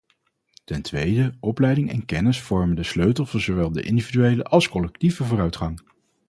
Ten tweede: opleiding en kennis vormen de sleutel voor zowel individuele als collectieve vooruitgang.